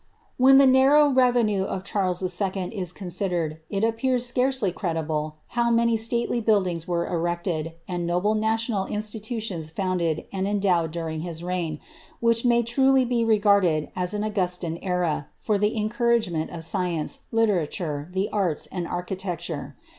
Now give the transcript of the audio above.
When the narrow revenue of Charles II. is considered, it appears scarcdy cie dible how many stately buddings were erected, and noble national inti* tutions founded and endowed durmg his reign, which may truly be re garded as an Augustan era for tiie encouragement of science, literature, the arts, and architecture.